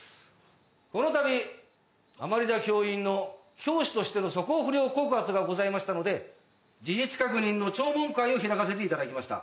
この度甘利田教員の教師としての素行不良告発がございましたので事実確認の聴聞会を開かせて頂きました。